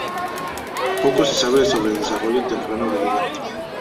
Poco se sabe sobre el desarrollo temprano del lugar.